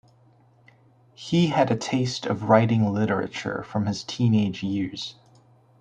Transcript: He had a taste of writing literature from his teenage years.